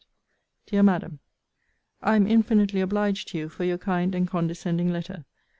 DEAR MADAM, I am infinitely obliged to you for your kind and condescending letter.